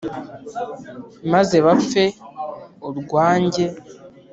maze bapfe urwanjye!